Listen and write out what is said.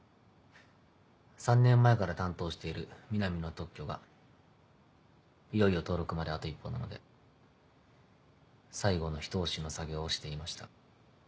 ３年前から担当している南の特許がいよいよ登録まであと一歩なので最後のひと押しの作業をしていました。